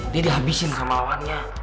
dia dihabisin sama lawannya